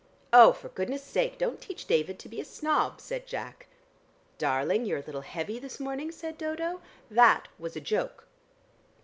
"Oh, for goodness' sake don't teach David to be a snob!" said Jack. "Darling, you're a little heavy this morning," said Dodo. "That was a joke."